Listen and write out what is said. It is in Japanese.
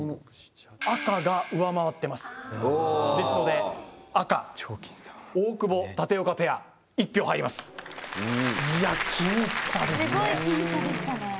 赤が上回ってますですので赤大久保・舘岡ペア１票入りますいや僅差ですねすごい僅差でしたね